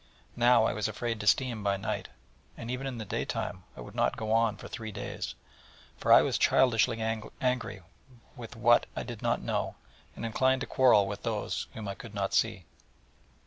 Now I was afraid to steam by night, and even in the daytime I would not go on for three days: for I was childishly angry with I know not what, and inclined to quarrel with Those whom I could not see.